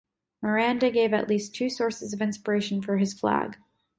Miranda gave at least two sources of inspiration for his flag.